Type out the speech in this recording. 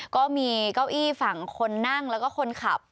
ก็มีเก้าอี้ฝั่งคนนั่งแล้วก็คนขับ